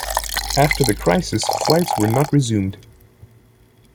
After the crisis, flights were not resumed.